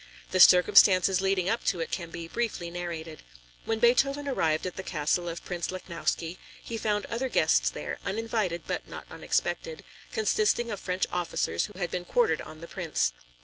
The circumstances leading up to it can be briefly narrated. When Beethoven arrived at the castle of Prince Lichnowsky, he found other guests there, uninvited but not unexpected, consisting of French officers who had been quartered on the Prince.